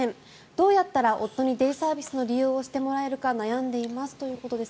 どうやったら夫にデイサービスの利用をしてもらえるか悩んでいますということです。